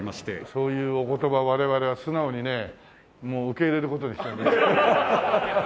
そういうお言葉は我々は素直にね受け入れる事にしてるんです。